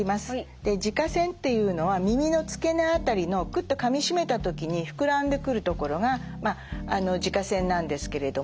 耳下腺っていうのは耳の付け根辺りのくっとかみしめた時に膨らんでくる所が耳下腺なんですけれども。